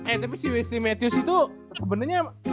eh tapi si wesley matthews itu sebenernya